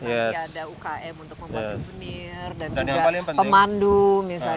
nanti ada ukm untuk membuat souvenir dan juga pemandu misalnya